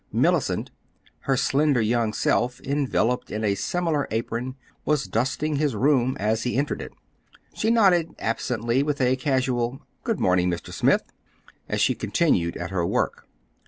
Mellicent, her slender young self enveloped in a similar apron, was dusting his room as he entered it. She nodded absently, with a casual "Good morning, Mr. Smith," as she continued at her work.